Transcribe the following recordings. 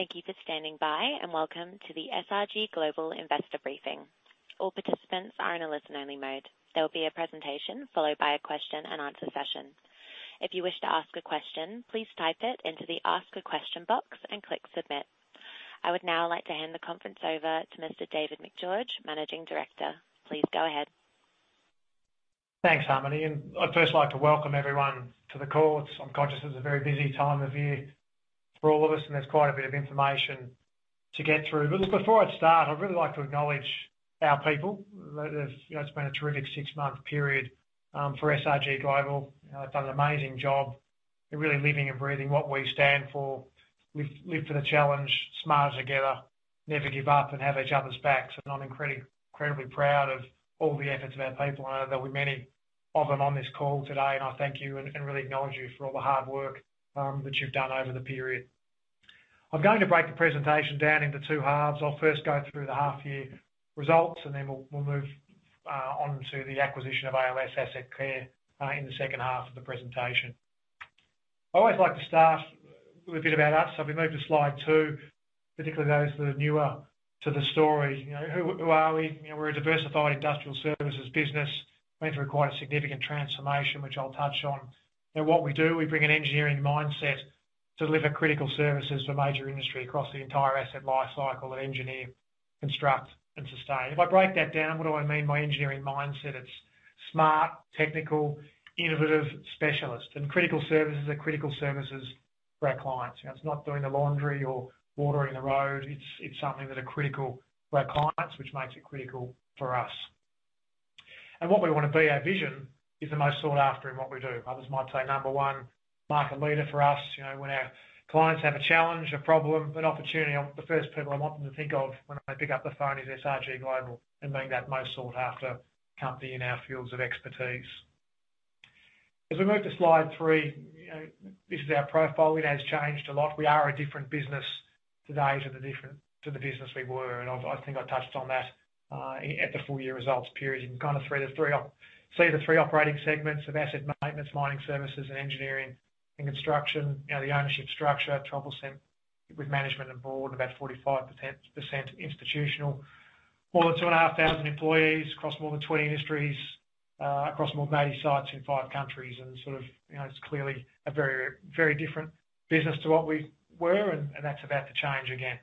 Thank you for standing by and welcome to the SRG Global Investor Briefing. All participants are in a listen-only mode. There will be a presentation followed by a question-and-answer session. If you wish to ask a question, please type it into the Ask a Question box and click Submit. I would now like to hand the conference over to Mr. David Macgeorge, Managing Director. Please go ahead. Thanks, Harmony. I'd first like to welcome everyone to the call. I'm conscious it's a very busy time of year for all of us. There's quite a bit of information to get through. Look, before I start, I'd really like to acknowledge our people. You know, it's been a terrific six-month period for SRG Global. They've done an amazing job. They're really living and breathing what we stand for. We live for the challenge, smarter together, never give up and have each other's backs. I'm incredibly proud of all the efforts of our people. I know there'll be many of them on this call today. I thank you and really acknowledge you for all the hard work that you've done over the period. I'm going to break the presentation down into two halves. I'll first go through the half year results, then we'll move on to the acquisition of ALS Asset Care in the second half of the presentation. I always like to start with a bit about us, if we move to slide two, particularly those that are newer to the story. You know, who are we? You know, we're a diversified industrial services business. Went through quite a significant transformation, which I'll touch on. What we do, we bring an engineering mindset to deliver critical services for major industry across the entire asset lifecycle and engineer, construct and sustain. If I break that down, what do I mean by engineering mindset? It's smart, technical, innovative specialist and critical services are critical services for our clients. You know, it's not doing the laundry or watering the road. It's something that are critical to our clients, which makes it critical for us. What we wanna be, our vision is the most sought after in what we do. Others might say number one market leader for us. You know, when our clients have a challenge, a problem, an opportunity, I want the first people I want them to think of when they pick up the phone is SRG Global and being that most sought-after company in our fields of expertise. As we move to slide three, you know, this is our profile. It has changed a lot. We are a different business today to the business we were, and I think I touched on that at the full year results period. You can kind of thread the three see the three operating segments of asset maintenance, mining services and engineering and construction. You know, the ownership structure, 12% with management and board, about 45% institutional. More than 2,500 employees across more than 20 industries, across more than 80 sites in four countries and sort of, you know, it's clearly a very, very different business to what we were and that's about to change again.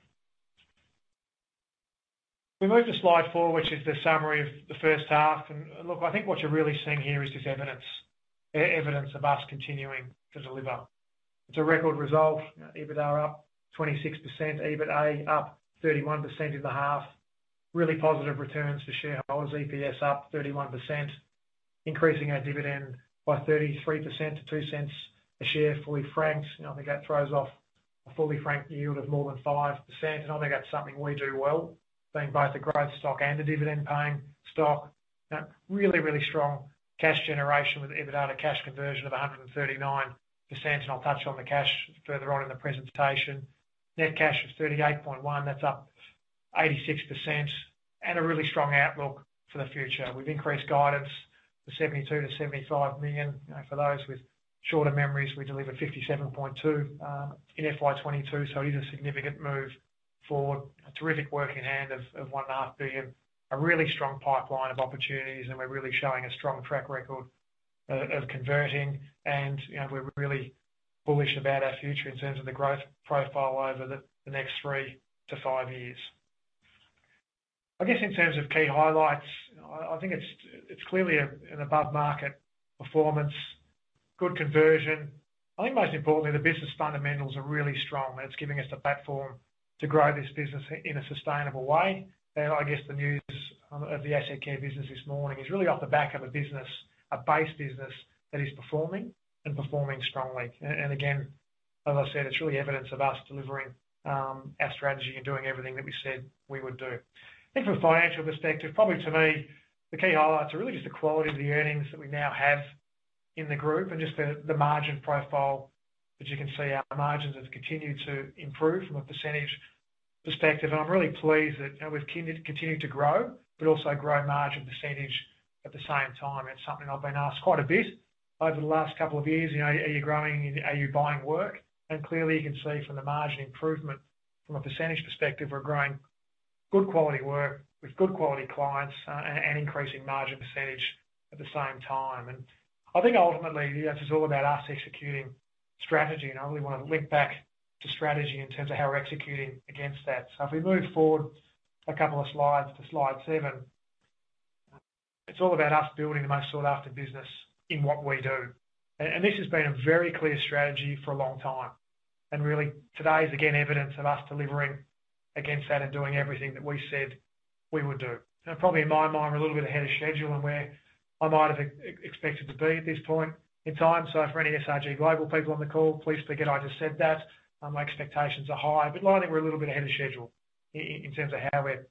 We move to slide four, which is the summary of the first half. Look, I think what you're really seeing here is this evidence of us continuing to deliver. It's a record result. EBITDA up 26%, EBITA up 31% in the half. Really positive returns for shareholders. EPS up 31%, increasing our dividend by 33% to 0.02 a share, fully franked. You know, I think that throws off a fully franked yield of more than 5%, and I think that's something we do well, being both a growth stock and a dividend-paying stock. Really strong cash generation with EBITDA to cash conversion of 139%, and I'll touch on the cash further on in the presentation. Net cash was 38.1 million. That's up 86% and a really strong outlook for the future. We've increased guidance to 72 million-75 million. You know, for those with shorter memories, we delivered 57.2 million in FY 2022, so it is a significant move for a terrific work in hand of 1.5 billion. A really strong pipeline of opportunities and we're really showing a strong track record of converting and, you know, we're really bullish about our future in terms of the growth profile over the next three to five years. I guess in terms of key highlights, I think it's clearly an above market performance, good conversion. I think most importantly, the business fundamentals are really strong and it's giving us the platform to grow this business in a sustainable way. I guess the news of the Asset Care business this morning is really off the back of a business, a base business that is performing and performing strongly. Again, as I said, it's really evidence of us delivering our strategy and doing everything that we said we would do. I think from a financial perspective, probably to me the key highlights are really just the quality of the earnings that we now have in the group and just the margin profile. As you can see, our margins have continued to improve from a percentage perspective and I'm really pleased that, you know, we've continued to grow but also grow margin percentage at the same time. It's something I've been asked quite a bit over the last couple of years. You know, are you growing? Are you buying work? Clearly you can see from the margin improvement from a percentage perspective, we're growing good quality work with good quality clients and increasing margin percentage at the same time. I think ultimately this is all about us executing strategy and I really wanna link back to strategy in terms of how we're executing against that. If we move forward a couple of slides to slide seven, it's all about us building the most sought-after business in what we do. This has been a very clear strategy for a long time and really today is again evidence of us delivering against that and doing everything that we said we would do. Probably in my mind we're a little bit ahead of schedule and where I might have expected to be at this point in time. For any SRG Global people on the call, please forget I just said that. My expectations are high, but I think we're a little bit ahead of schedule in terms of how we're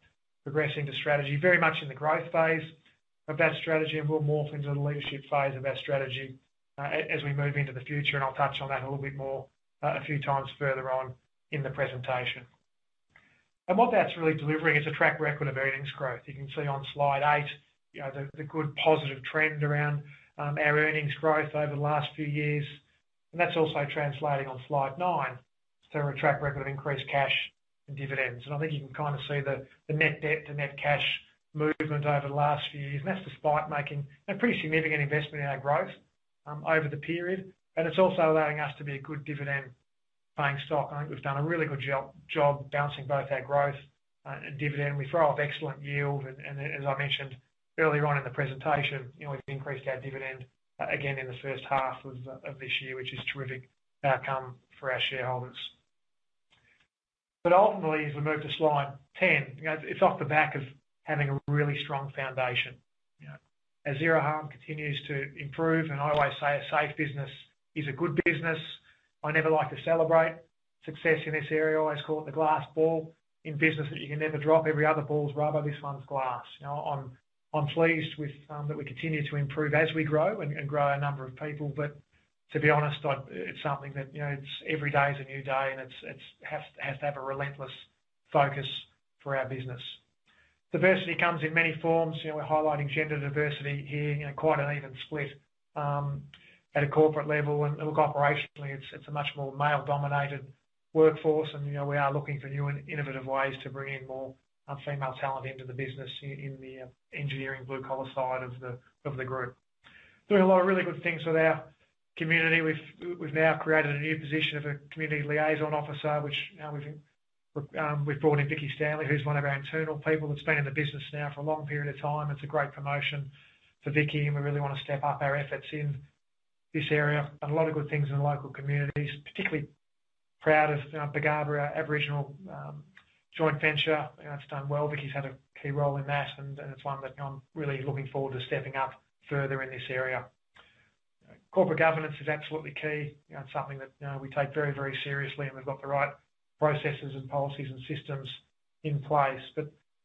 progressing the strategy. Very much in the growth phase of that strategy and we'll morph into the leadership phase of our strategy as we move into the future and I'll touch on that a little bit more, a few times further on in the presentation. What that's really delivering is a track record of earnings growth. You can see on slide eight, you know, the good positive trend around our earnings growth over the last few years. That's also translating on slide nine to a track record of increased cash and dividends. I think you can kinda see the net debt to net cash movement over the last few years. That's despite making a pretty significant investment in our growth over the period. It's also allowing us to be a good dividend paying stock. I think we've done a really good job balancing both our growth and dividend. We throw off excellent yield and, as I mentioned earlier on in the presentation, you know, we've increased our dividend again in the first half of this year, which is terrific outcome for our shareholders. Ultimately, as we move to slide 10, you know, it's off the back of having a really strong foundation, you know. As zero harm continues to improve, and I always say a safe business is a good business. I never like to celebrate success in this area. I always call it the glass ball in business that you can never drop. Every other ball is rubber, this one's glass. You know, I'm pleased with that we continue to improve as we grow and grow our number of people. To be honest, it's something that, you know, it's every day is a new day and it's has to have a relentless focus for our business. Diversity comes in many forms. You know, we're highlighting gender diversity here. You know, quite an even split at a corporate level. Look, operationally, it's a much more male-dominated workforce. You know, we are looking for new and innovative ways to bring in more female talent into the business in the engineering blue collar side of the group. Doing a lot of really good things with our community. We've now created a new position of a community liaison officer, which, you know, we've brought in Vicky Stanley, who's one of our internal people that's been in the business now for a long period of time. It's a great promotion for Vicky, and we really wanna step up our efforts in this area. A lot of good things in the local communities. Particularly proud of, you know, Bugarrba Aboriginal joint venture. You know, it's done well. Vicky's had a key role in that, and it's one that I'm really looking forward to stepping up further in this area. Corporate governance is absolutely key. You know, it's something that, you know, we take very, very seriously, and we've got the right processes and policies and systems in place.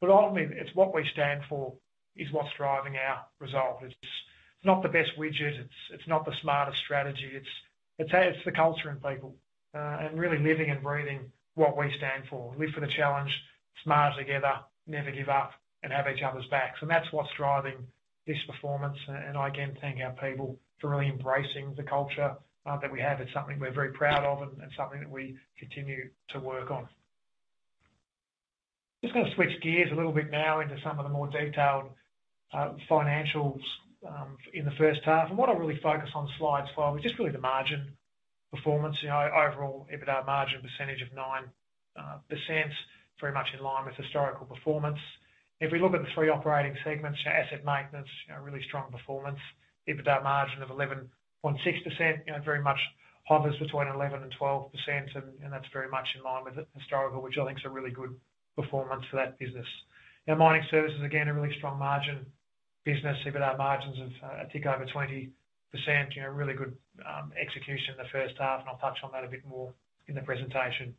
Ultimately, it's what we stand for is what's driving our result. It's not the best widget, it's not the smartest strategy. It's the culture and people, and really living and breathing what we stand for. Live for the challenge, smarter together, never give up and have each other's backs. That's what's driving this performance. I again thank our people for really embracing the culture that we have. It's something we're very proud of and something that we continue to work on. Just gonna switch gears a little bit now into some of the more detailed financials in the first half. What I'll really focus on slide 5 is just really the margin performance. You know, overall EBITDA margin percentage of 9%, very much in line with historical performance. If we look at the three operating segments, asset maintenance, you know, really strong performance. EBITDA margin of 11.6%, you know, very much hovers between 11% and 12% and that's very much in line with historical, which I think is a really good performance for that business. Now, mining services, again, a really strong margin business. EBITDA margins of, I think over 20%. You know, really good execution in the first half, and I'll touch on that a bit more in the presentation.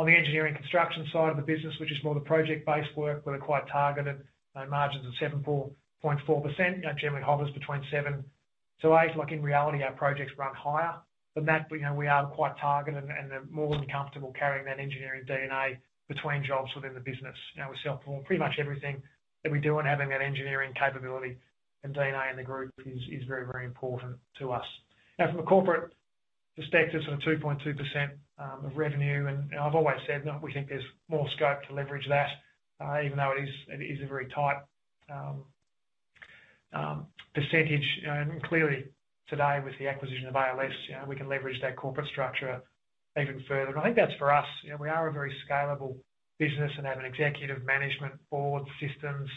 On the engineering construction side of the business, which is more the project-based work, we're quite targeted. You know, margins of 7.4%, you know, generally hovers between seven-eight. Like in reality, our projects run higher. That, you know, we are quite targeted and they're more than comfortable carrying that engineering DNA between jobs within the business. You know, we self-perform pretty much everything that we do and having that engineering capability and DNA in the group is very, very important to us. From a corporate perspective, sort of 2.2% of revenue, you know, I've always said that we think there's more scope to leverage that, even though it is a very tight percentage. You know, clearly today with the acquisition of ALS, you know, we can leverage that corporate structure even further. I think that's for us. You know, we are a very scalable business and have an executive management board systems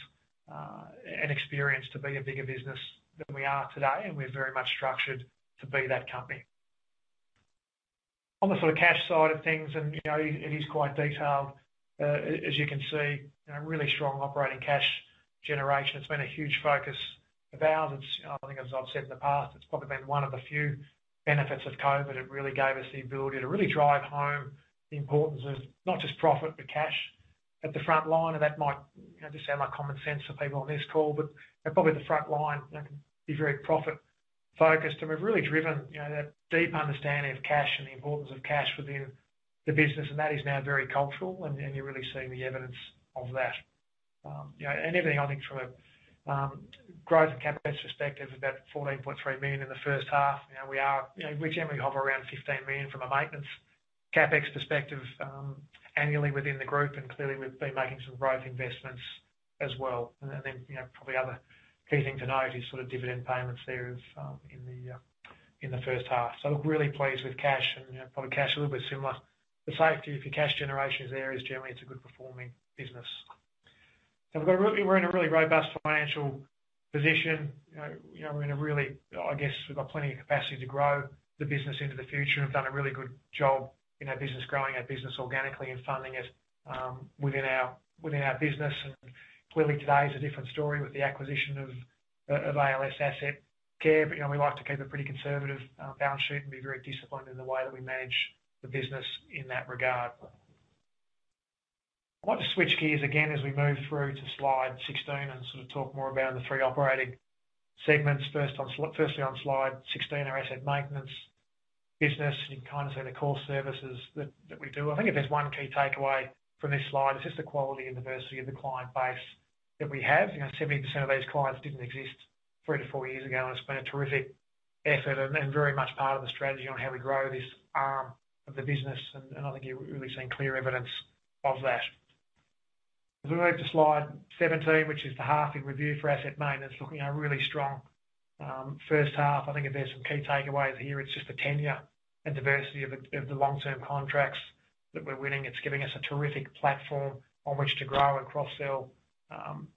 and experience to be a bigger business than we are today, and we're very much structured to be that company. On the sort of cash side of things, you know, it is quite detailed. As you can see, you know, really strong operating cash generation. It's been a huge focus of ours. It's, you know, I think as I've said in the past, it's probably been one of the few benefits of COVID. It really gave us the ability to really drive home the importance of not just profit, but cash at the front line. That might, you know, just sound like common sense to people on this call, but, you know, probably the front line, you know, can be very profit focused. We've really driven, you know, that deep understanding of cash and the importance of cash within the business, and that is now very cultural, and you're really seeing the evidence of that. You know, everything I think from a growth and CapEx perspective, about 14.3 million in the first half. You know, we are... You know, we generally hover around 15 million from a maintenance CapEx perspective, annually within the group. Clearly we've been making some growth investments as well. Then, you know, probably other key thing to note is sort of dividend payments there of, in the first half. Look, really pleased with cash and, you know, probably cash a little bit similar. The safety of your cash generation there is generally it's a good performing business. We're in a really robust financial position. You know, I guess we've got plenty of capacity to grow the business into the future and have done a really good job in our business, growing our business organically and funding it, within our, within our business. Clearly today is a different story with the acquisition of ALS Asset Care. You know, we like to keep a pretty conservative balance sheet and be very disciplined in the way that we manage the business in that regard. I want to switch gears again as we move through to slide 16 and sort of talk more about the three operating segments. Firstly on slide 16, our asset maintenance business, you can kind of see the core services that we do. I think if there's one key takeaway from this slide, it's just the quality and diversity of the client base that we have. You know, 70% of these clients didn't exist three-four years ago, and it's been a terrific effort and very much part of the strategy on how we grow this arm of the business. I think you're really seeing clear evidence of that. As we move to slide 17, which is the half year review for asset maintenance, looking at a really strong first half. I think if there's some key takeaways here, it's just the tenure and diversity of the long-term contracts that we're winning. It's giving us a terrific platform on which to grow and cross-sell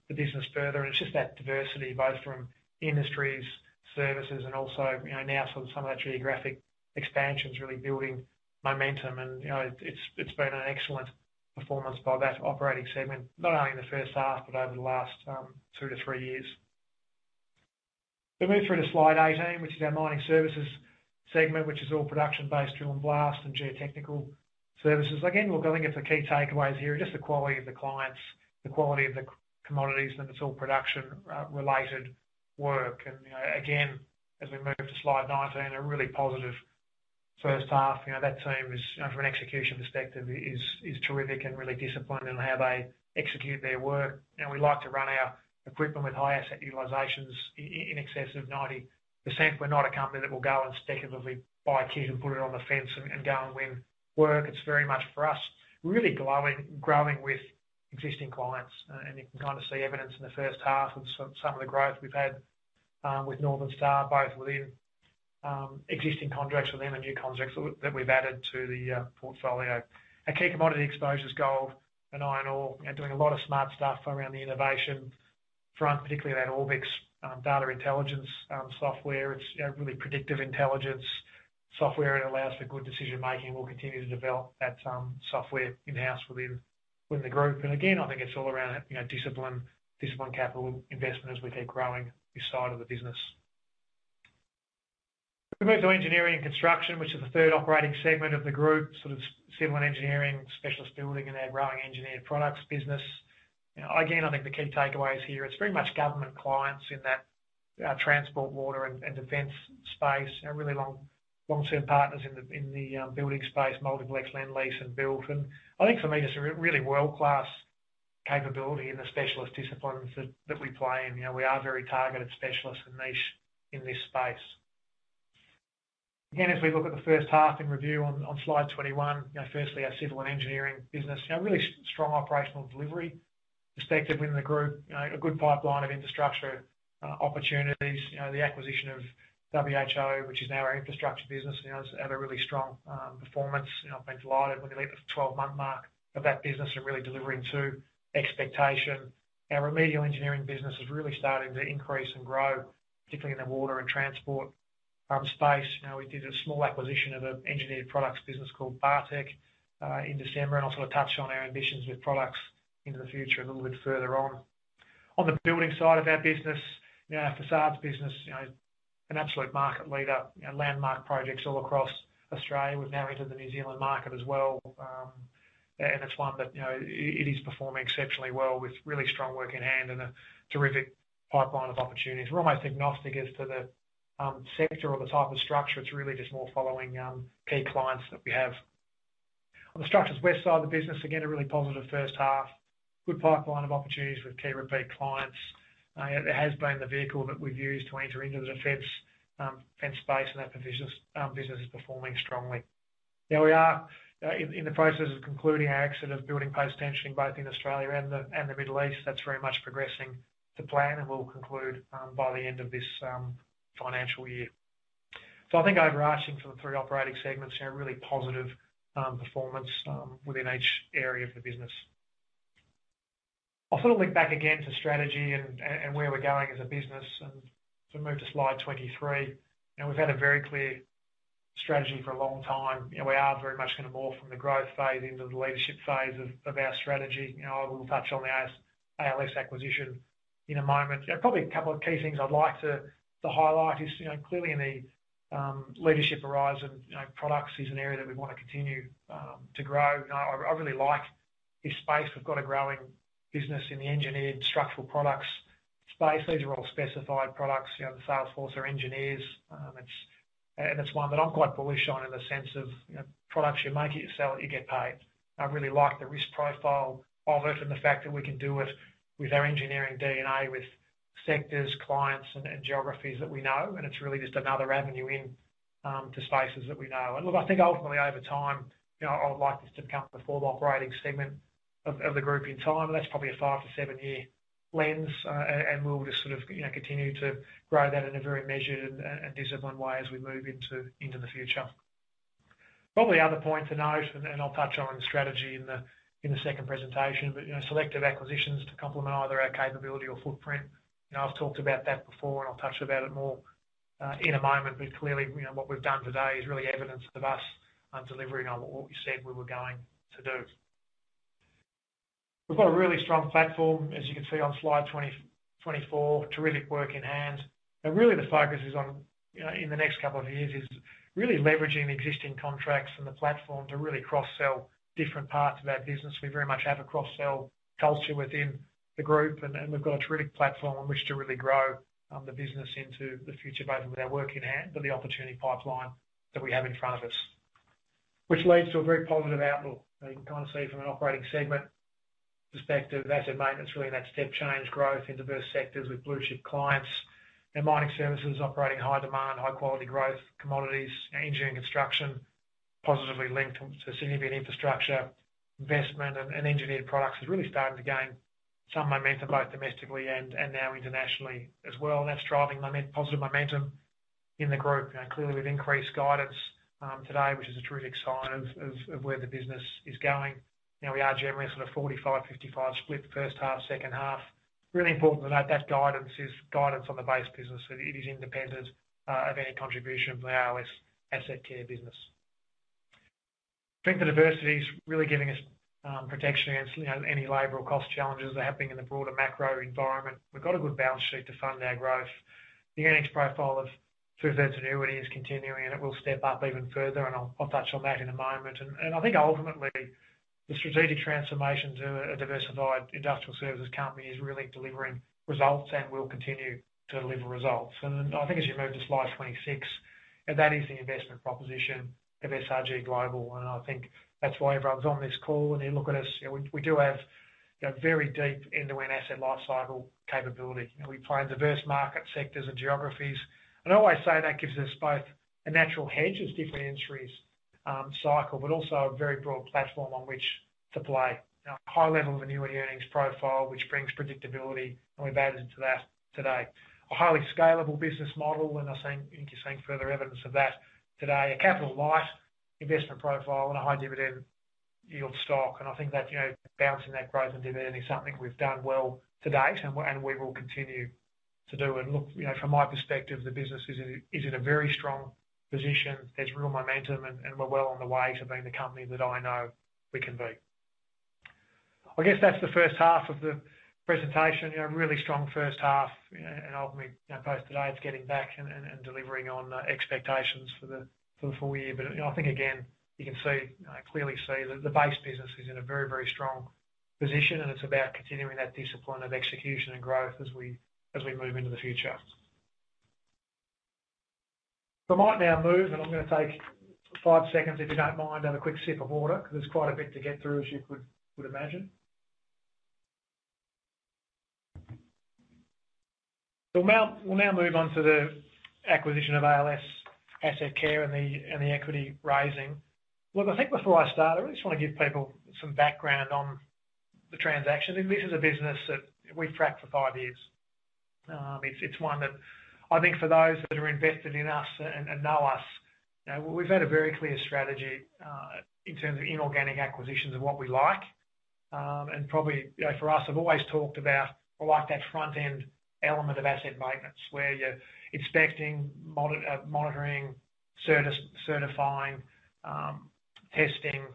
the business further. It's just that diversity, both from industries, services and also, you know, now sort of some of that geographic expansion is really building momentum. You know, it's been an excellent performance by that operating segment, not only in the first half, but over the last two to three years. If we move through to slide 18, which is our mining services segment, which is all production-based drill and blast and geotechnical services. Look, I think it's the key takeaways here, just the quality of the clients, the quality of the commodities, and it's all production related work. You know, again, as we move to slide 19, a really positive first half. You know, that team is, you know, from an execution perspective is terrific and really disciplined in how they execute their work. You know, we like to run our equipment with high asset utilizations in excess of 90%. We're not a company that will go and speculatively buy kit and put it on the fence and go and win work. It's very much for us, really growing with existing clients. You can kind of see evidence in the first half of some of the growth we've had with Northern Star, both within existing contracts with them and new contracts that we've added to the portfolio. Our key commodity exposure's gold and iron ore. You know, doing a lot of smart stuff around the innovation front, particularly that Orbix data intelligence software. It's, you know, really predictive intelligence software. It allows for good decision making. We'll continue to develop that software in-house within the group. Again, I think it's all around, you know, discipline capital investment as we keep growing this side of the business. If we move to engineering and construction, which is the third operating segment of the group, sort of civil and engineering, specialist building and our growing engineered products business. You know, again, I think the key takeaways here, it's very much government clients in that transport, water and defense space. You know, really long, long-term partners in the building space, Multiplex, Lendlease and Built. I think for me, just a really world-class capability in the specialist disciplines that we play in. You know, we are very targeted specialists and niche in this space. Again, as we look at the first half in review on slide 21, you know, firstly our civil and engineering business. You know, really strong operational delivery perspective within the group. You know, a good pipeline of infrastructure opportunities. You know, the acquisition of WBHO, which is now our infrastructure business, you know, has had a really strong performance. You know, I've been delighted when we hit the twelve-month mark of that business and really delivering to expectation. Our remedial engineering business is really starting to increase and grow, particularly in the water and transport space. You know, we did a small acquisition of an engineered products business called Bartek in December. I'll sort of touch on our ambitions with products into the future a little bit further on. On the building side of our business, you know, our facades business, you know, an absolute market leader. You know, landmark projects all across Australia. We've now entered the New Zealand market as well. It's one that, you know, it is performing exceptionally well with really strong work in hand and a terrific pipeline of opportunities. We're almost agnostic as to the sector or the type of structure. It's really just more following key clients that we have. On the Structures West side of the business, again, a really positive first half. Good pipeline of opportunities with key repeat clients. It has been the vehicle that we've used to enter into the defense defense space and that business is performing strongly. Now we are in the process of concluding our exit of building post-tensioning both in Australia and the Middle East. That's very much progressing to plan, and we'll conclude by the end of this financial year. I think overarching for the three operating segments, you know, a really positive performance within each area of the business. I'll sort of look back again to strategy and where we're going as a business, and if we move to slide 23. You know, we've had a very clear strategy for a long time. You know, we are very much gonna morph from the growth phase into the leadership phase of our strategy. You know, I will touch on the ALS acquisition in a moment. You know, probably a couple of key things I'd like to highlight is, you know, clearly in the leadership horizon, you know, products is an area that we wanna continue to grow. You know, I really like this space. We've got a growing business in the engineered structural products space. These are all specified products. You know, the sales force are engineers. And it's one that I'm quite bullish on in the sense of, you know, products, you make it, you sell it, you get paid. I really like the risk profile of it and the fact that we can do it with our engineering DNA, with sectors, clients and geographies that we know. It's really just another avenue in to spaces that we know. Look, I think ultimately over time, you know, I would like this to become the fourth operating segment of the group in time. That's probably a five to seven-year lens. And we'll just sort of, you know, continue to grow that in a very measured and disciplined way as we move into the future. Probably other point to note, and I'll touch on strategy in the second presentation, but, you know, selective acquisitions to complement either our capability or footprint. You know, I've talked about that before, and I'll touch about it more in a moment. Clearly, you know, what we've done today is really evidence of us, delivering on what we said we were going to do. We've got a really strong platform, as you can see on slide 2024. Terrific work in hand. Really the focus is on, you know, in the next couple of years, is really leveraging existing contracts and the platform to really cross-sell different parts of our business. We very much have a cross-sell culture within the group, and we've got a terrific platform on which to really grow, the business into the future, both with our work in hand, but the opportunity pipeline that we have in front of us. Which leads to a very positive outlook. You can see from an operating segment perspective, asset maintenance really in that step change growth in diverse sectors with blue-chip clients and mining services operating high demand, high quality growth commodities, engineering, construction, positively linked to significant infrastructure investment and engineered products is really starting to gain some momentum, both domestically and now internationally as well. That's driving positive momentum in the group. Clearly, we've increased guidance today, which is a terrific sign of where the business is going. We are generally sort of 45, 55 split first half, second half. Really important to note that guidance is guidance on the base business. It is independent of any contribution from the ALS Asset Care business. Strength of diversity is really giving us protection against, you know, any labor or cost challenges that are happening in the broader macro environment. We've got a good balance sheet to fund our growth. The earnings profile of 2/3 annuity is continuing, and it will step up even further. I'll touch on that in a moment. I think ultimately the strategic transformation to a diversified industrial services company is really delivering results and will continue to deliver results. I think as you move to slide 26, and that is the investment proposition of SRG Global, and I think that's why everyone's on this call, and they look at us. We do have, you know, very deep end-to-end asset lifecycle capability. We play in diverse market sectors and geographies. I always say that gives us both a natural hedge as different entries cycle, but also a very broad platform on which to play. A high level of annuity earnings profile, which brings predictability, we've added to that today. A highly scalable business model, I think you're seeing further evidence of that today. A capital light investment profile and a high dividend yield stock. I think that, you know, balancing that growth and dividend is something we've done well to date and we will continue to do. Look, you know, from my perspective, the business is in a very strong position. There's real momentum, and we're well on the way to being the company that I know we can be. I guess that's the first half of the presentation. You know, really strong first half and ultimately, you know, both today it's getting back and delivering on expectations for the, for the full year. I think again, you can see, clearly see that the base business is in a very, very strong position and it's about continuing that discipline of execution and growth as we, as we move into the future. I might now move, and I'm gonna take five seconds if you don't mind, have a quick sip of water because there's quite a bit to get through, as you could imagine. We'll now move on to the acquisition of ALS Asset Care and the equity raising. Look, I think before I start, I just wanna give people some background on the transaction. This is a business that we've tracked for five years. It's one that I think for those that are invested in us and know us, you know, we've had a very clear strategy in terms of inorganic acquisitions and what we like. And probably, you know, for us, I've always talked about like that front end element of asset maintenance where you're inspecting, monitoring, certifying, testing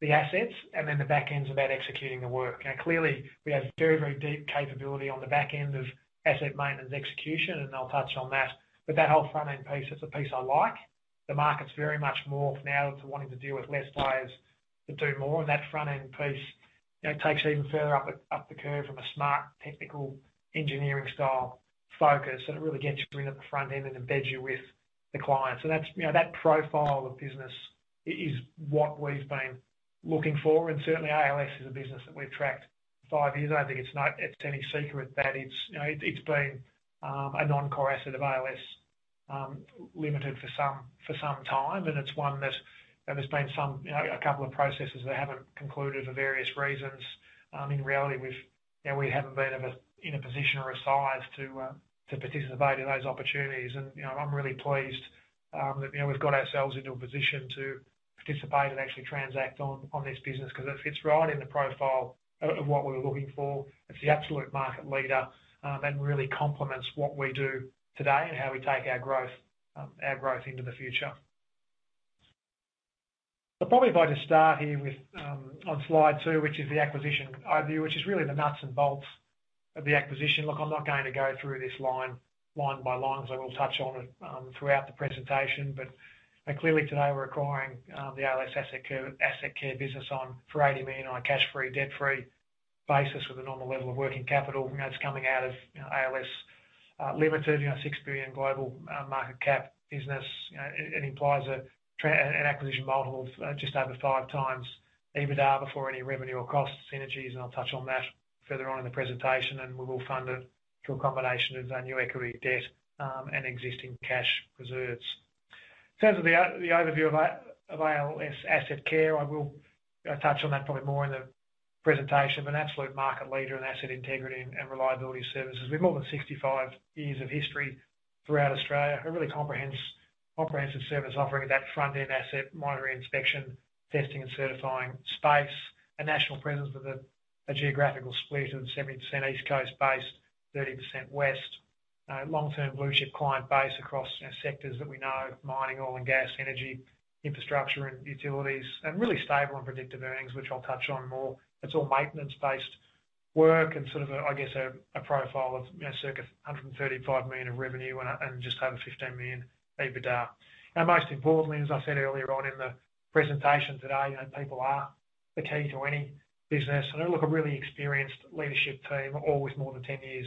the assets, and then the back end's about executing the work. Now, clearly, we have very deep capability on the back end of asset maintenance execution, and I'll touch on that. That whole front-end piece, it's a piece I like. The market's very much more now to wanting to deal with less players to do more. That front-end piece, you know, takes you even further up the curve from a smart technical engineering style focus. It really gets you in at the front end and embeds you with the client. That's, you know, that profile of business is what we've been looking for. Certainly ALS is a business that we've tracked five years. I don't think it's any secret that it's, you know, it's been a non-core asset of ALS Limited for some time, and it's one that there's been some, you know, a couple of processes that haven't concluded for various reasons. In reality, we've, you know, we haven't been in a position or a size to participate in those opportunities. You know, I'm really pleased that, you know, we've got ourselves into a position to participate and actually transact on this business because it fits right in the profile of what we were looking for. It's the absolute market leader, really complements what we do today and how we take our growth into the future. Probably if I just start here with on slide two, which is the acquisition overview, which is really the nuts and bolts of the acquisition. I'm not going to go through this line by line as I will touch on it throughout the presentation. Clearly today we're acquiring the ALS Asset Care business for 80 million on a cash-free, debt-free basis with a normal level of working capital. You know, it's coming out of ALS Limited, you know, 6 billion global market cap business. You know, it implies an acquisition multiple of just over 5x EBITDA before any revenue or cost synergies. I'll touch on that further on in the presentation. We will fund it through a combination of new equity debt and existing cash reserves. In terms of the overview of ALS Asset Care, I will touch on that probably more in the presentation. An absolute market leader in asset integrity and reliability services. We have more than 65 years of history throughout Australia. A really comprehensive service offering of that front-end asset monitoring, inspection, testing and certifying space. A national presence with a geographical split of 70% East Coast based, 30% West. Long-term blue-chip client base across sectors that we know, mining, oil and gas, energy, infrastructure and utilities, and really stable and predictive earnings, which I'll touch on more. It's all maintenance-based work and sort of a, I guess, a profile of, you know, circa 135 million of revenue and just over 15 million EBITDA. Most importantly, as I said earlier on in the presentation today, you know, people are the key to any business. Look, a really experienced leadership team, all with more than 10 years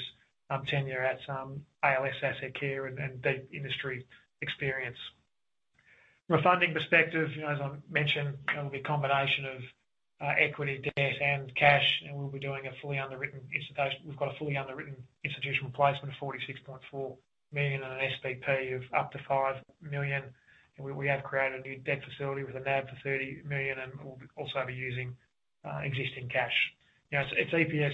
tenure at ALS Asset Care and deep industry experience. From a funding perspective, you know, as I mentioned, it'll be a combination of equity, debt, and cash, and we've got a fully underwritten institutional placement of 46.4 million and an SPP of up to 5 million. We have created a new debt facility with a NAB of 30 million, and we'll also be using existing cash. You know, it's EPS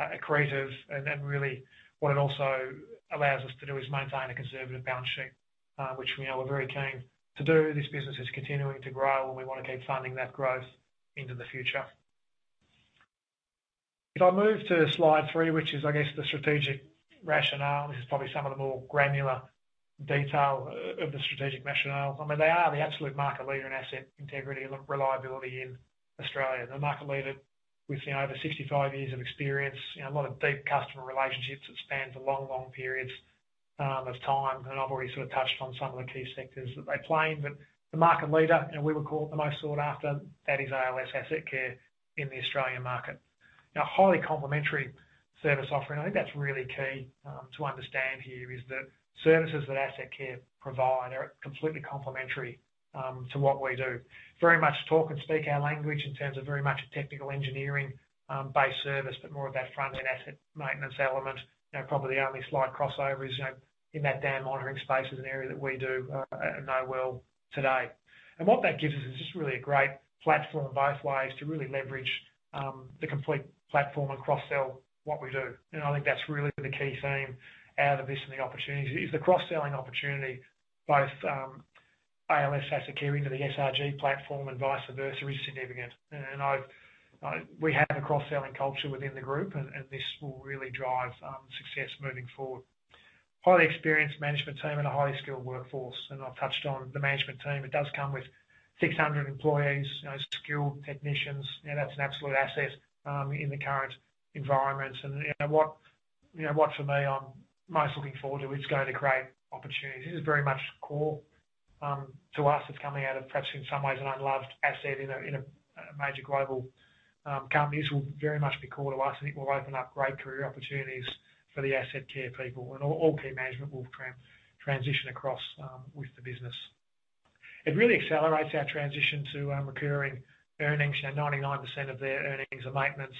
accretive and really what it also allows us to do is maintain a conservative balance sheet, which, you know, we're very keen to do. This business is continuing to grow and we wanna keep funding that growth into the future. If I move to slide three, which is, I guess, the strategic rationale. This is probably some of the more granular detail of the strategic rationale. I mean, they are the absolute market leader in asset integrity and reliability in Australia. The market leader with, you know, over 65 years of experience. You know, a lot of deep customer relationships that span for long, long periods of time. I've already sort of touched on some of the key sectors that they play in. The market leader, you know, we would call it the most sought after, that is ALS Asset Care in the Australian market. Highly complementary service offering, and I think that's really key to understand here is that services that Asset Care provide are completely complementary to what we do. Very much talk and speak our language in terms of very much a technical engineering based service, but more of that front-end asset maintenance element. You know, probably the only slight crossover is, you know, in that dam monitoring space is an area that we do know well today. What that gives us is just really a great platform both ways to really leverage the complete platform and cross-sell what we do. You know, I think that's really the key theme out of this and the opportunities is the cross-selling opportunity, both, ALS Asset Care into the SRG platform and vice versa is significant. We have a cross-selling culture within the group and this will really drive success moving forward. Highly experienced management team and a highly skilled workforce. I've touched on the management team. It does come with 600 employees, you know, skilled technicians. You know, that's an absolute asset in the current environment. You know, what for me, I'm most looking forward to is going to create opportunities. This is very much core to us. It's coming out of perhaps in some ways an unloved asset in a, in a major global companies will very much be core to us, and it will open up great career opportunities for the Asset Care people. All key management will transition across with the business. It really accelerates our transition to recurring earnings. You know, 99% of their earnings are maintenance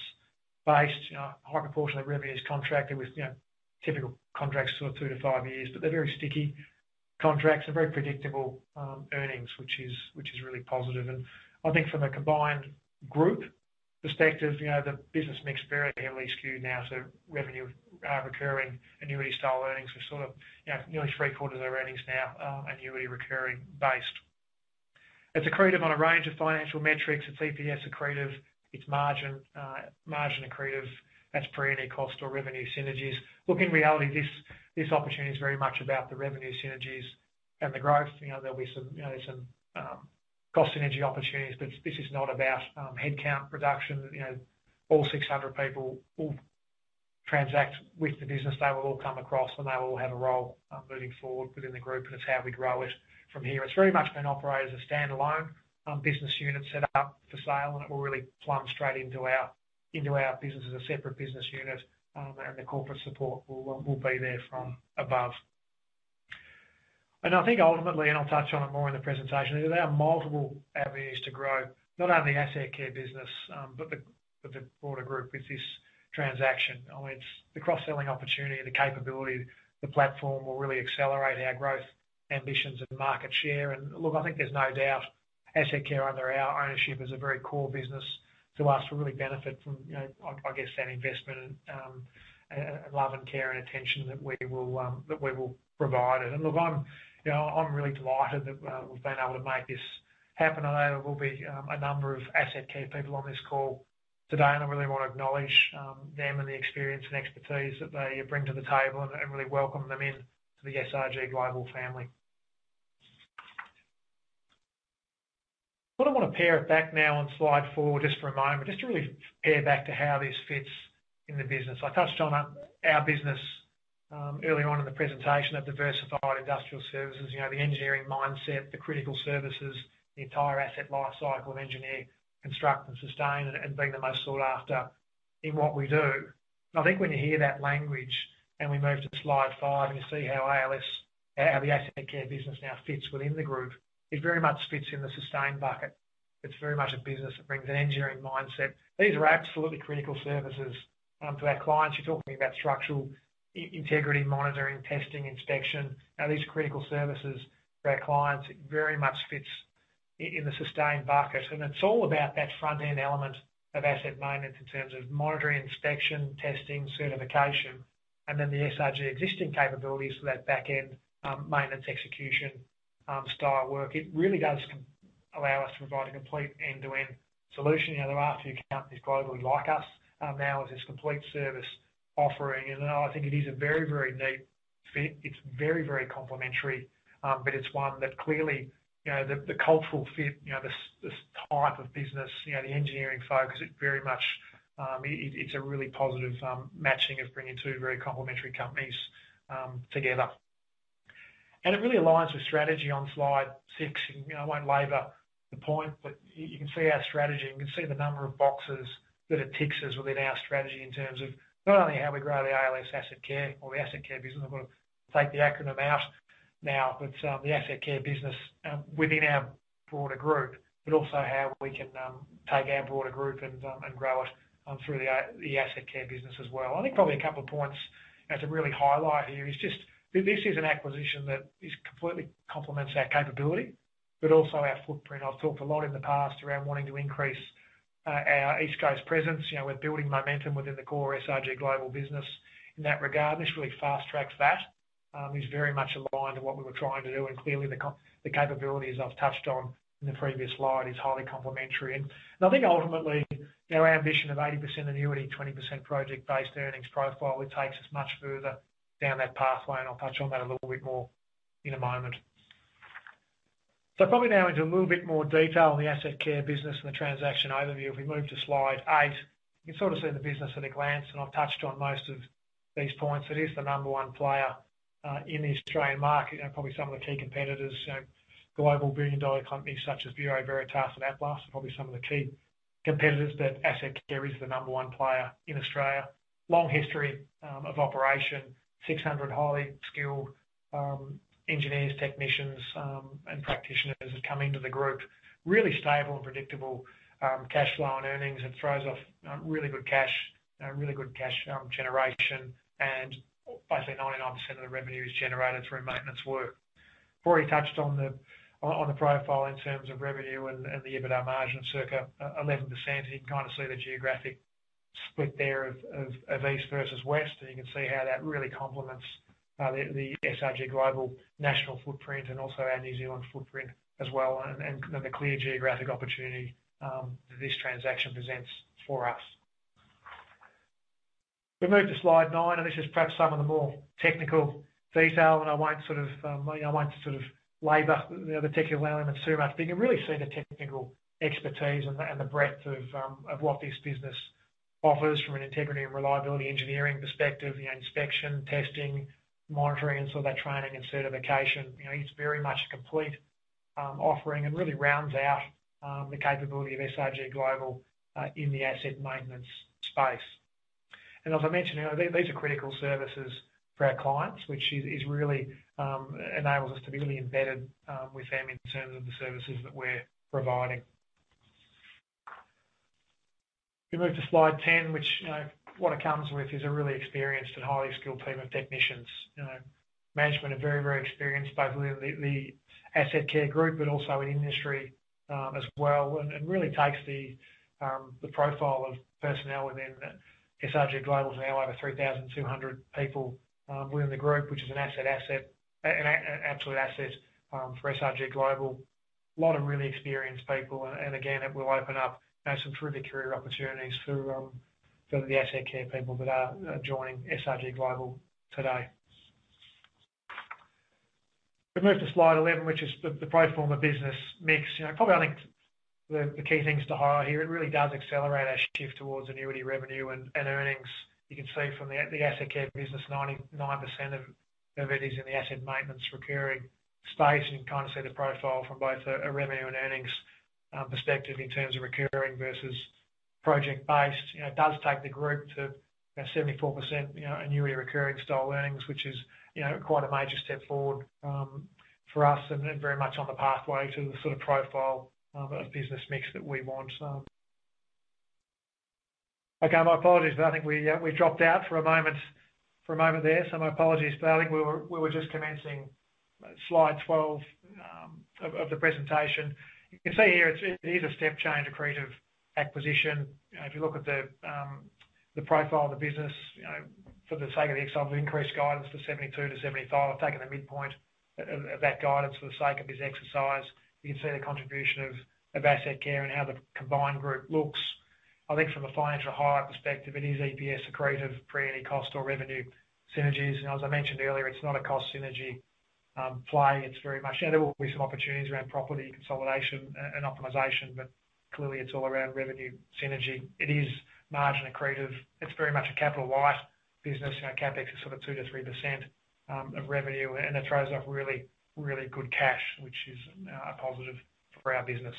based. You know, a high proportion of revenue is contracted with, you know, typical contracts, sort of two-five years. They're very sticky contracts and very predictable earnings, which is really positive. I think from a combined group perspective, you know, the business mix very heavily skewed now to revenue, recurring annuity style earnings. Sort of, you know, nearly 3/4 of their earnings now are annuity recurring based. It's accretive on a range of financial metrics. It's EPS accretive, it's margin accretive. That's pre any cost or revenue synergies. Look, in reality, this opportunity is very much about the revenue synergies and the growth. You know, there'll be some, you know, some cost synergy opportunities. But this is not about headcount reduction. You know, all 600 people will transact with the business. They will all come across and they will all have a role moving forward within the group and it's how we grow it from here. It's very much been operated as a standalone business unit set up for sale and it will really plumb straight into our, into our business as a separate business unit and the corporate support will be there from above. I think ultimately, and I'll touch on it more in the presentation, is there are multiple avenues to grow, not only Asset Care business, but the broader group with this transaction. I mean, it's the cross-selling opportunity, the capability, the platform will really accelerate our growth ambitions and market share. Look, I think there's no doubt Asset Care under our ownership is a very core business to us to really benefit from, you know, I guess that investment and love and care and attention that we will provide it. Look, I'm, you know, I'm really delighted that we've been able to make this happen. I know there will be, a number of Asset Care people on this call today and I really want to acknowledge them and the experience and expertise that they bring to the table and really welcome them in to the SRG Global family. What I want to pare it back now on slide four, just for a moment, just to really pare back to how this fits in the business. I touched on our business earlier on in the presentation of diversified industrial services. You know, the engineering mindset, the critical services, the entire asset lifecycle of engineer, construct and sustain and being the most sought after in what we do. I think when you hear that language and we move to slide five and you see how ALS, how the Asset Care business now fits within the group, it very much fits in the sustain bucket. It's very much a business that brings an engineering mindset. These are absolutely critical services to our clients. You're talking about structural integrity monitoring, testing, inspection. These are critical services to our clients. It very much fits in the sustain bucket, and it's all about that front-end element of asset maintenance in terms of monitoring, inspection, testing, certification, and then the SRG existing capabilities for that back end, maintenance, execution, style work. It really does allow us to provide a complete end-to-end solution. You know, there are a few companies globally like us, now with this complete service offering and I think it is a very, very neat fit. It's very, very complementary. It's one that clearly, you know, the cultural fit, you know, this type of business, you know, the engineering focus, it very much, it's a really positive, matching of bringing two very complementary companies, together. It really aligns with strategy on slide six. You know, I won't labor the point, but you can see our strategy and you can see the number of boxes that it ticks us within our strategy in terms of not only how we grow the ALS Asset Care or the Asset Care business, I'm gonna take the acronym out now, but the Asset Care business within our broader group, but also how we can take our broader group and grow it through the Asset Care business as well. I think probably a couple of points, you know, to really highlight here is just this is an acquisition that is completely complements our capability, but also our footprint. I've talked a lot in the past around wanting to increase our East Coast presence. You know, we're building momentum within the core SRG Global business in that regard. This really fast-tracks that, is very much aligned to what we were trying to do, Clearly the capabilities I've touched on in the previous slide is highly complementary. I think ultimately, our ambition of 80% annuity, 20% project-based earnings profile, it takes us much further down that pathway, and I'll touch on that a little bit more in a moment. Probably now into a little bit more detail on the Asset Care business and the transaction overview. If we move to slide eight, you can sort of see the business at a glance, and I've touched on most of these points. It is the number one player in the Australian market. Probably some of the key competitors, you know, global billion-dollar companies such as Bureau Veritas and Atlas are probably some of the key competitors that Asset Care is the number one player in Australia. Long history of operation. 600 highly skilled engineers, technicians, and practitioners that come into the group. Really stable and predictable cash flow and earnings. It throws off really good cash generation and basically 99% of the revenue is generated through maintenance work. Already touched on the profile in terms of revenue and the EBITDA margin circa 11%. You can kinda see the geographic split there of east versus west, and you can see how that really complements the SRG Global national footprint and also our New Zealand footprint as well, and then the clear geographic opportunity this transaction presents for us. If we move to slide nine, this is perhaps some of the more technical detail, and I won't sort of, you know, I won't sort of labor the technical element too much, but you can really see the technical expertise and the breadth of what this business offers from an integrity and reliability engineering perspective. You know, inspection, testing, monitoring, and some of that training and certification. You know, it's very much a complete offering and really rounds out the capability of SRG Global in the asset maintenance space. As I mentioned, these are critical services for our clients, which is really enables us to be really embedded with them in terms of the services that we're providing. If we move to slide 10, which what it comes with is a really experienced and highly skilled team of technicians. Management are very, very experienced, both within the Asset Care group but also in industry as well. Really takes the profile of personnel within SRG Global to now over 3,200 people within the group, which is an absolute asset for SRG Global. A lot of really experienced people and again, it will open up some terrific career opportunities for the Asset Care people that are joining SRG Global today. We move to slide 11, which is the profile of business mix. You know, probably I think the key things to highlight here, it really does accelerate our shift towards annuity revenue and earnings. You can see from the Asset Care business, 99% of it is in the asset maintenance recurring space, you can kinda see the profile from both a revenue and earnings perspective in terms of recurring versus project-based. You know, it does take the group to, you know, 74%, you know, annuity recurring style earnings, which is, you know, quite a major step forward for us and very much on the pathway to the sort of profile of business mix that we want. Again, my apologies, I think we dropped out for a moment there. My apologies, but I think we were just commencing slide 12 of the presentation. You can see here it's a step-change accretive acquisition. You know, if you look at the profile of the business, you know, for the sake of the example, increased guidance to 72 million-75 million. I've taken the midpoint of that guidance for the sake of this exercise. You can see the contribution of Asset Care and how the combined group looks. I think from a financial highlight perspective, it is EPS accretive pre any cost or revenue synergies. As I mentioned earlier, it's not a cost synergy play. It's very much. Yeah, there will be some opportunities around property consolidation and optimization, but clearly it's all around revenue synergy. It is margin accretive. It's very much a capital light business. You know, CapEx is sort of 2%-3% of revenue, and it throws off really, really good cash, which is a positive for our business.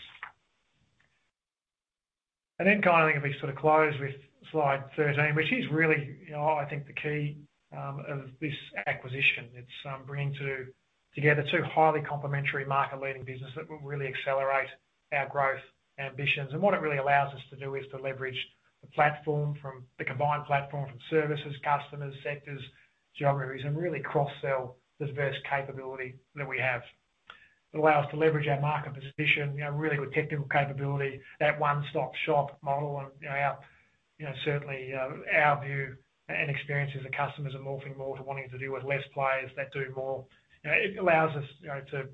Kind of I think if we sort of close with slide 13, which is really, you know, I think the key of this acquisition. It's bringing two together two highly complementary market-leading business that will really accelerate our growth ambitions. What it really allows us to do is to leverage the platform from the combined platform from services, customers, sectors, geographies, and really cross-sell this diverse capability that we have. It allows us to leverage our market position, you know, really good technical capability, that one-stop-shop model, and, you know, our, you know, certainly, our view and experiences of customers are morphing more to wanting to deal with less players that do more. You know, it allows us, you know,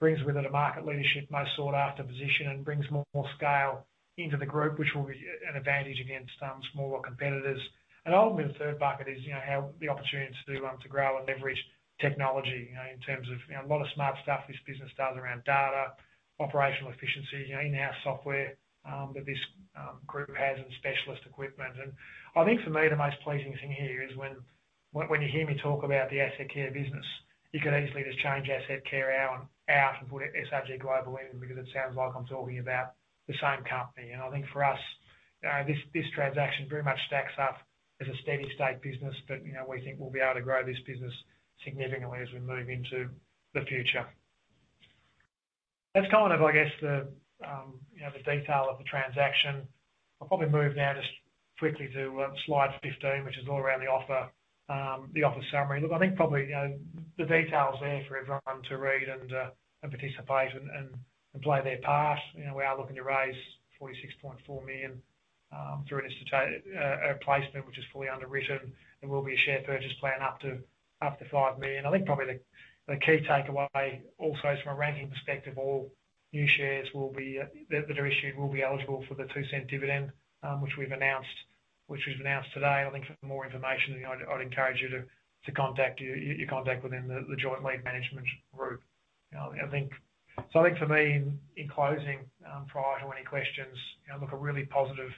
brings with it a market leadership, most sought-after position and brings more scale into the group, which will be an advantage against smaller competitors. Ultimately, the third bucket is, you know, how the opportunity to do to grow and leverage technology, you know, in terms of, you know, a lot of smart stuff this business does around Data, Operational efficiency, you know, in-house software that this group has and specialist equipment. I think for me the most pleasing thing here is when you hear me talk about the Asset Care business, you could easily just change Asset Care out and put SRG Global in because it sounds like I'm talking about the same company. I think for us, you know, this transaction very much stacks up as a steady state business. You know, we think we'll be able to grow this business significantly as we move into the future. That's kind of, I guess, the, you know, the detail of the transaction. I'll probably move now just quickly to slide 15, which is all around the offer, the offer summary. Look, I think probably, you know, the detail's there for everyone to read and participate and play their part. You know, we are looking to raise 46.4 million through a placement which is fully underwritten and will be a share purchase plan up to 5 million. I think probably the key takeaway also is from a ranking perspective, all new shares will be that are issued will be eligible for the 0.02 dividend, which we've announced, which was announced today. I think for more information, you know, I'd encourage you to contact your contact within the Joint Lead Management Group. You know, I think for me in closing, prior to any questions, you know, look, a really positive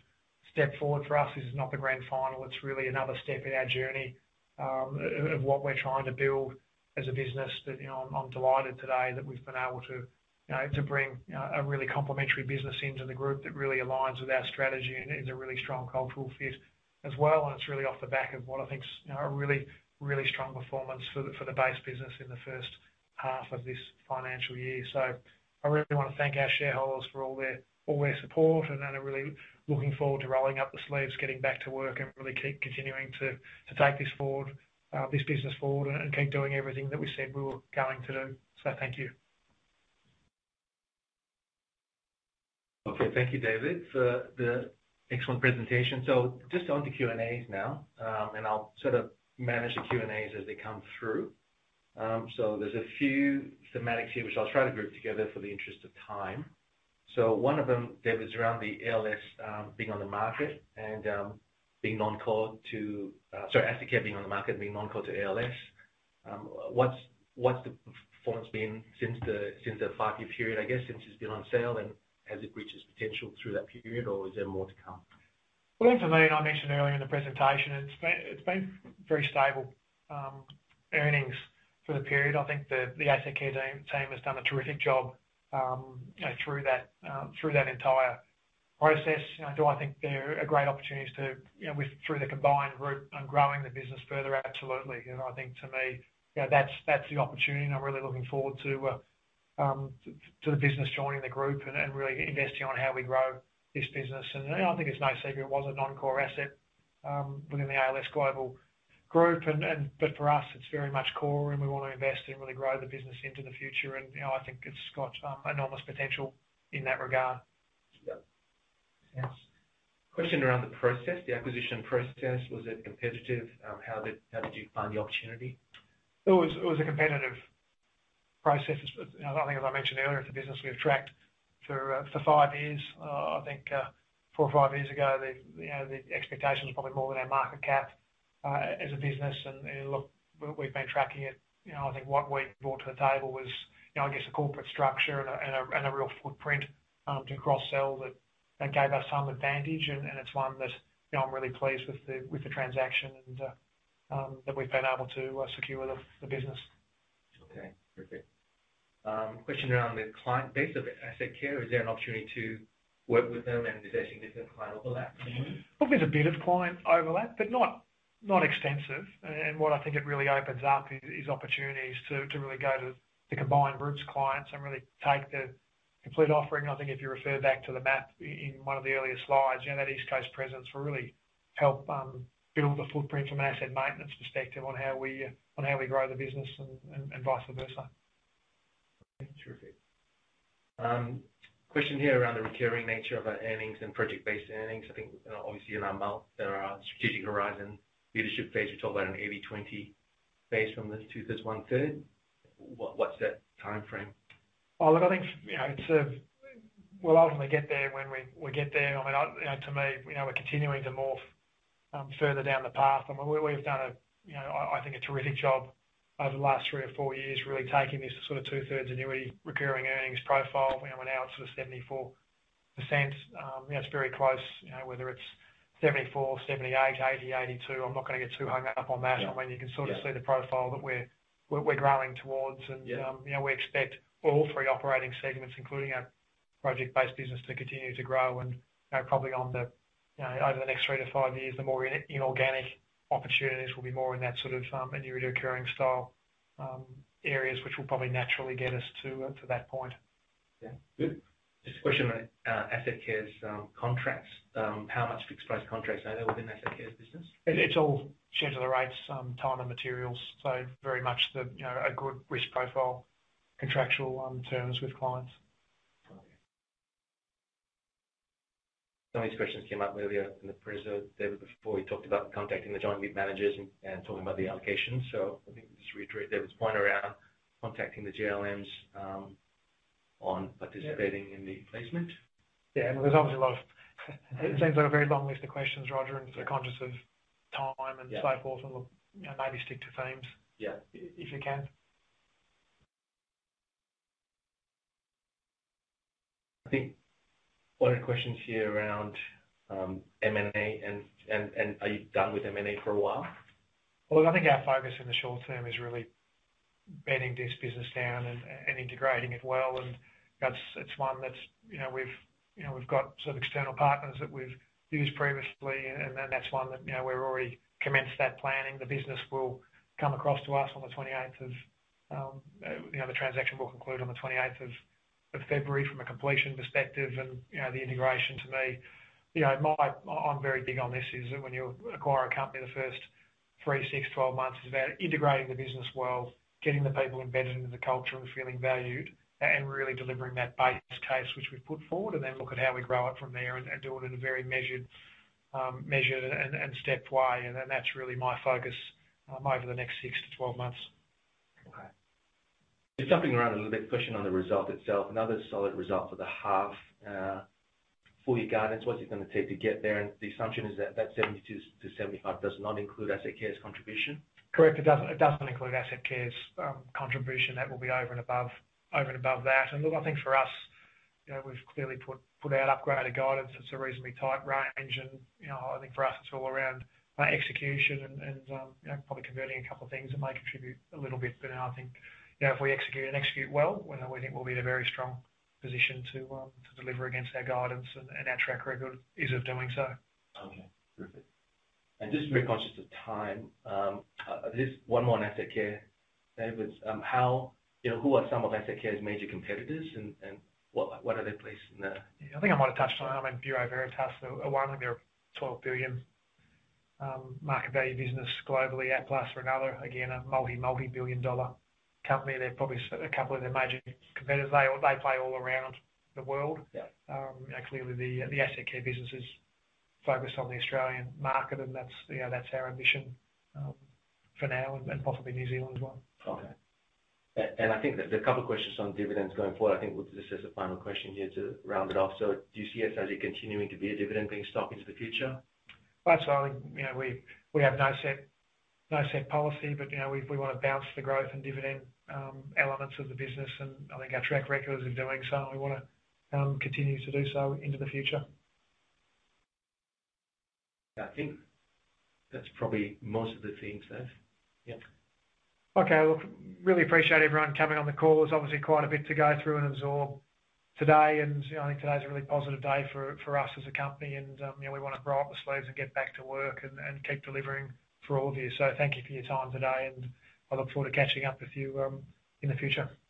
step forward for us. This is not the grand final. It's really another step in our journey of what we're trying to build as a business that, you know, I'm delighted today that we've been able to bring, you know, a really complementary business into the group that really aligns with our strategy and is a really strong cultural fit as well. It's really off the back of what I think's, you know, a really strong performance for the base business in the first half of this financial year. I really wanna thank our shareholders for all their support, and then are really looking forward to rolling up the sleeves, getting back to work, and really keep continuing to take this forward, this business forward and keep doing everything that we said we were going to do. Thank you. Thank you, David, for the excellent presentation. Just on to Q&As now. I'll sort of manage the Q&As as they come through. There's a few thematics here, which I'll try to group together for the interest of time. One of them, David, is around the ALS, being on the market and being non-core to, sorry, Asset Care being on the market and being non-core to ALS. What's the performance been since the, since the five-year period, I guess, since it's been on sale? Has it reached its potential through that period or is there more to come? Well, look, for me, and I mentioned earlier in the presentation, it's been very stable earnings for the period. I think the Asset Care team has done a terrific job, you know, through that entire process. You know, do I think there are great opportunities to, you know, through the combined group on growing the business further? Absolutely. You know, I think for me, you know, that's the opportunity and I'm really looking forward to the business joining the group and really investing on how we grow this business. You know, I think it's no secret it was a non-core asset within the ALS Limited. For us it's very much core and we want to invest and really grow the business into the future. you know, I think it's got enormous potential in that regard. Yeah. Thanks. Question around the process, the acquisition process. Was it competitive? How did you find the opportunity? It was a competitive process. You know, I think as I mentioned earlier, it's a business we've tracked for five years. I think four or five years ago, the, you know, the expectation was probably more than our market cap as a business. Look, we've been tracking it. You know, I think what we brought to the table was, you know, I guess a corporate structure and a real footprint to cross-sell that gave us some advantage. It's one that, you know, I'm really pleased with the transaction and that we've been able to secure the business. Okay. Perfect. Question around the client base of Asset Care. Is there an opportunity to work with them and is there significant client overlap? Well, there's a bit of client overlap, but not extensive. What I think it really opens up is opportunities to really go to the combined group's clients and really take the complete offering. I think if you refer back to the map in one of the earlier slides, you know, that East Coast presence will really help, Built the footprint from an asset maintenance perspective on how we on how we grow the business and vice versa. Okay. Terrific. Question here around the recurring nature of earnings and project-based earnings. I think, you know, obviously in our mind, there are strategic horizon leadership phase. You talked about an 80/20 phase from this, 2/3, 1/3. What, what's that timeframe? Oh, look, I think, you know, it's. We'll ultimately get there when we get there. I mean, I, you know, to me, you know, we're continuing to morph further down the path. I mean, we've done a, you know, I think a terrific job over the last three or four years, really taking this sort of two-thirds annuity recurring earnings profile. You know, we're now at sort of 74%. You know, it's very close, you know, whether it's 74%, 78%, 80%, 82%. I'm not gonna get too hung up on that. Yeah. I mean, you can sort of see the profile that we're growing towards. Yeah. You know, we expect all three operating segments, including our project-based business, to continue to grow and, you know, probably on the, you know, over the next three to five years, the more inorganic opportunities will be more in that sort of, annuity recurring style, areas which will probably naturally get us to that point. Yeah. Good. Just a question on Asset Care's contracts. How much fixed price contracts are there within Asset Care's business? It's all schedule rates, time and materials. Very much the, you know, a good risk profile, contractual, terms with clients. Some of these questions came up earlier in the presenter, David, before he talked about contacting the Joint Lead Managers and talking about the allocation. I think just to reiterate David's point around contacting the JLMs. Yeah... in the placement. Yeah. It seems like a very long list of questions, Roger, and so conscious of time and so forth and look, you know, maybe stick to themes. Yeah. If you can. I think a lot of questions here around M&A and are you done with M&A for a while? Well, look, I think our focus in the short term is really bedding this business down and integrating it well. It's one that's, you know, we've, you know, we've got some external partners that we've used previously. That's one that, you know, we're already commenced that planning. The business will come across to us on the 28th of, you know, the transaction will conclude on the 28th of February from a completion perspective. You know, the integration to me. You know, I'm very big on this, is that when you acquire a company, the first three, six, 12 months is about integrating the business well, getting the people embedded into the culture and feeling valued and really delivering that base case which we've put forward, and then look at how we grow it from there and do it in a very measured and stepped way. That's really my focus over the next six-12 months. Okay. Just jumping around a little bit. Question on the result itself. Another solid result for the half, full year guidance. What's it gonna take to get there? The assumption is that that 72 million-75 million does not include Asset Care's contribution. Correct. It doesn't include Asset Care's contribution. That will be over and above that. Look, I think for us, you know, we've clearly put out upgraded guidance. It's a reasonably tight range and, you know, I think for us it's all around execution and, you know, probably converting a couple of things that may contribute a little bit. I think, you know, if we execute and execute well, we think we'll be in a very strong position to deliver against our guidance and our track record is of doing so. Okay. Terrific. Just very conscious of time. There is one more on Asset Care. Dave was, how, you know, who are some of Asset Care's major competitors and what are their place in the- Yeah, I think I might have touched on them and Bureau Veritas are one of their $12 billion market value business globally. Atlas are another, again, a multi-multi-billion dollar company. They play all around the world. Yeah. you know, clearly the Asset Care business is focused on the Australian market and that's, you know, that's our ambition for now and possibly New Zealand as well. Okay. I think there's a couple of questions on dividends going forward. I think we'll just as a final question here to round it off. Do you see Asset Care continuing to be a dividend paying stock into the future? That's why, you know, we have no set policy. You know, we wanna balance the growth and dividend elements of the business. I think our track record is of doing so. We wanna continue to do so into the future. I think that's probably most of the themes, Dave. Yeah. Okay. Look, really appreciate everyone coming on the call. There's obviously quite a bit to go through and absorb today and, you know, I think today's a really positive day for us as a company and, you know, we wanna roll up the sleeves and get back to work and keep delivering for all of you. Thank you for your time today and I look forward to catching up with you in the future.